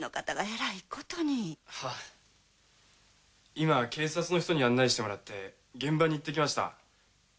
今は警察の人に案内してもらって現場に行ってきました。